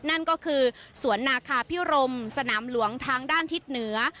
นั่นก็คือสวนนาคาพิรมสนามหลวงทางด้านทิศเหนือ